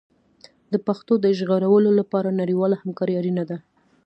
د پښتو د ژغورلو لپاره نړیواله همکاري اړینه ده.